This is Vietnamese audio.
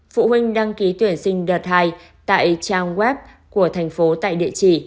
phụ huynh đăng ký tuyển sinh đợt hai tại trang web của tp hcm tại địa chỉ